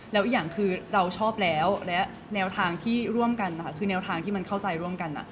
แล้วอีกอย่างคือเราชอบแล้วและแนวทางที่มันเข้าใจร่วมกัน